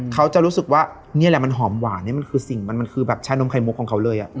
เขาจะรู้สึกว่านี่แหละมันหอมหวานนี่มันคือสิ่งมันคือแบบชานมไข่มุกของเขาเลย